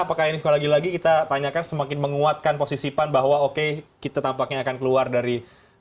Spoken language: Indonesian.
apakah ini sekali lagi lagi kita tanyakan semakin menguatkan posisi pan bahwa oke kita tampaknya akan keluar dari